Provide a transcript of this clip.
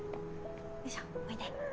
よいしょおいで。